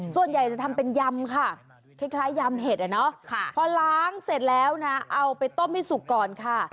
ส่วนใหญ่จะทำเป็นยำค่ะคล้ายยำเห็ดพอล้างเสร็จแล้วนะเอาไปต้มให้สุกก่อนค่ะ